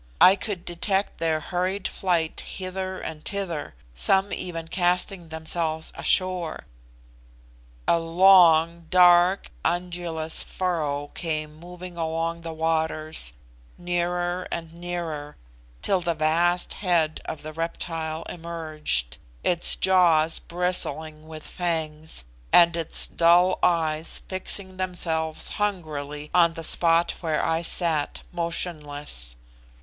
I could detect their hurried flight hither and thither, some even casting themselves ashore. A long, dark, undulous furrow came moving along the waters, nearer and nearer, till the vast head of the reptile emerged its jaws bristling with fangs, and its dull eyes fixing themselves hungrily on the spot where I sat motionless.